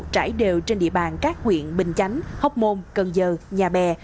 trải đều trên địa bàn các huyện bình chánh hóc môn cần giờ nhà bè